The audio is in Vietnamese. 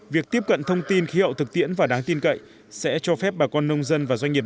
việc tiếp cận thông tin khí hậu thực tiễn và đáng tin cậy sẽ cho phép bà con nông dân và doanh nghiệp